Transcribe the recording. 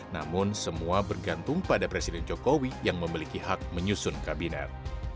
namun semua bergantung pada presiden jokowi yang memiliki hak menyusun kabinet